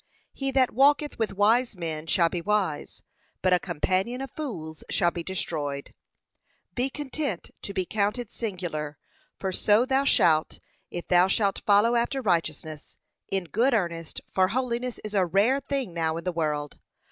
'He that walketh with wise men shall be wise; but a companion of fools shall be destroyed.' Be content to be counted singular, for so thou shalt, if thou shalt follow after righteousness, &., in good earnest; for holiness is a rare thing now in the world.